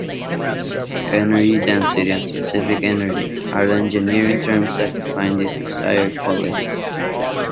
Energy density and specific energy are the engineering terms that define these desired qualities.